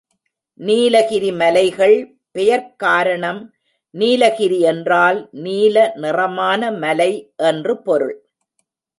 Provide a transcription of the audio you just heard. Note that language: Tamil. நீலகிரி மலைகள் பெயர்க் காரணம் நீலகிரி என்றால் நீல நிறமான மலை என்று பொருள்.